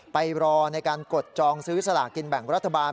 ไปรอในการกดจองซื้อสลากินแบ่งรัฐบาล